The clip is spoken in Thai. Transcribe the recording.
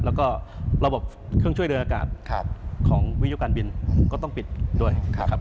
แล้วก็ระบบเครื่องช่วยเดินอากาศของวิยุการบินก็ต้องปิดด้วยนะครับ